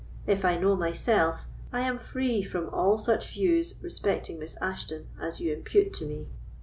If I know myself, I am free from all such views respecting Miss Ashton as you impute to me.